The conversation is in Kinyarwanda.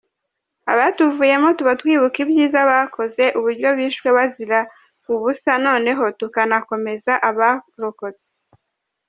Abatuvuyemo tuba twibuka ibyiza bakoze, uburyo bishwe bazira ubusa noneho tukanakomeza abarokotse.